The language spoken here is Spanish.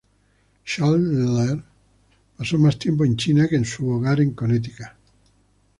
Schaller pasó más tiempo en China que en su hogar en Connecticut.